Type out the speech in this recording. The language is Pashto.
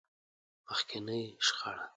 مخکينۍ شخړه.